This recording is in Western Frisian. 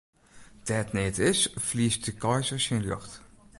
Dêr't neat is, ferliest de keizer syn rjocht.